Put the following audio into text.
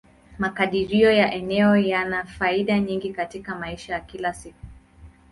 Makadirio ya eneo yana faida nyingi katika maisha ya kila siku.